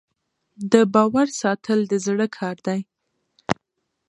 د باور ساتل د زړه کار دی.